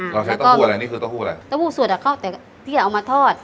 เราใช้เต้าหู้อะไรนี่คือเต้าหู้อะไรเต้าหู้สวดอ่ะข้าวแต่ที่จะเอามาทอด